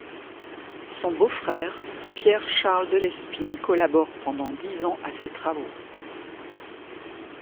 Son beau-frère, Pierre-Charles Deslespine, collabore pendant dix ans à ces travaux.